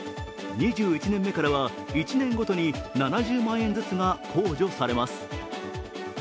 ２１年目からは、１年ごとに７０万円ずつが控除されます。